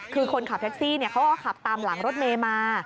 คือคนขับแท็กซี่เขาก็ขับตามหลังรถเมย์มา